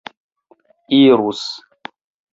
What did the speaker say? irus